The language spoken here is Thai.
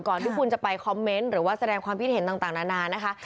ที่คุณจะไปคอมเมนต์หรือว่าแสดงความคิดเห็นต่างนานานะคะ